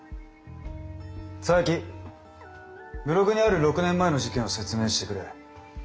佐伯ブログにある６年前の事件を説明してくれ。